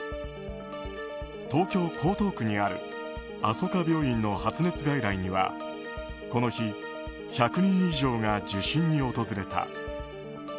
東京・江東区にあるあそか病院の発熱外来にはこの日、１００人以上が受診に訪れた。